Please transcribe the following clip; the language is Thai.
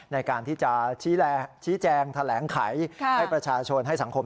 ในการที่จะชี้แจงแถลงไขให้ประชาชนให้สังคม